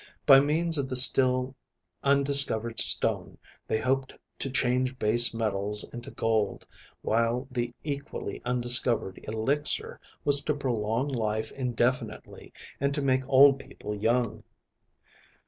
By means of the still undiscovered Stone they hoped to change base metals into gold, while the equally undiscovered Elixir was to prolong life indefinitely, and to make old people young.